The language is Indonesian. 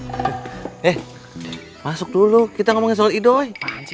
eh masuk dulu kita ngomongin soal idoy